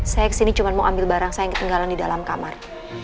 saya kesini cuma mau ambil barang saya yang ketinggalan di dalam kamar